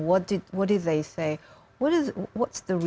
apa yang mereka katakan